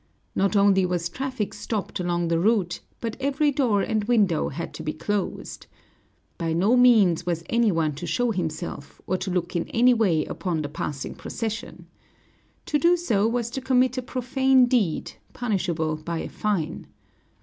Not only was traffic stopped along the route, but every door and window had to be closed. By no means was any one to show himself, or to look in any way upon the passing procession. To do so was to commit a profane deed, punishable by a fine.